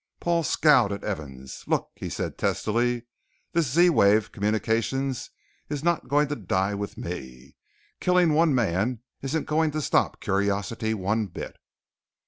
Paul scowled at Evans. "Look," he said testily, "this Z wave communications is not going to die with me. Killing one man isn't going to stop curiosity one bit."